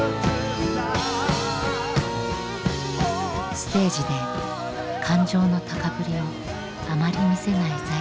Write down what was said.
ステージで感情の高ぶりをあまり見せない財津さん。